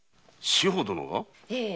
志保殿が！？